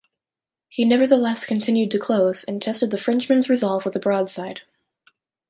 He nevertheless continued to close and tested the Frenchmen's resolve with a broadside.